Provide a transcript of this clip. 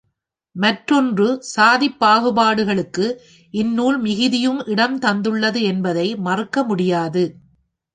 மற்றொன்று சாதிப் பாகுபாடுகளுக்கு இந்நூல் மிகுதியும் இடம் தந்துள்ளது என்பதை மறுக்க முடியாது.